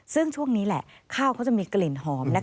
ซึ่งช่วงนี้แหละข้าวเขาจะมีกลิ่นหอม